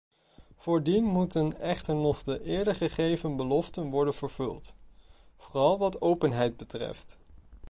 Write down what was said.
Voordien moeten echter nog de eerder gegeven beloften worden vervuld, vooral wat openheid betreft.